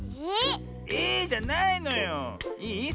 「ええ？」じゃないのよ。いい？